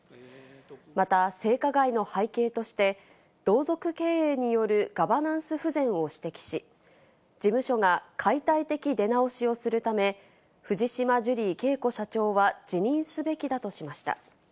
また性加害の背景として、同族経営によるガバナンス不全を指摘し、事務所が解体的出直しをするため、藤島ジュリー景子社長は辞任すべきだとしました。